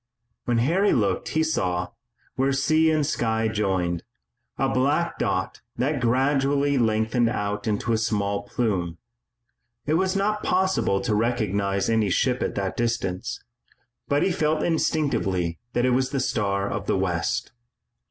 When Harry looked he saw, where sea and sky joined, a black dot that gradually lengthened out into a small plume. It was not possible to recognize any ship at that distance, but he felt instinctively that it was the Star of the West.